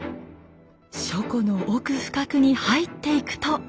書庫の奥深くに入っていくと。